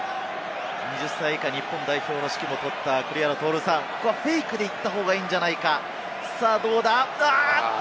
２０歳以下日本代表の指揮も執った栗原徹さん、ここはフェイクで行った方がいいんじゃないかと。